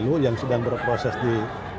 yang sedang berproses di